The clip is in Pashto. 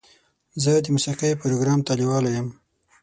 زه د موسیقۍ پروګرام ته لیواله یم.